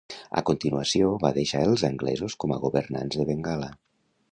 A continuació va deixar els anglesos com governants de Bengala.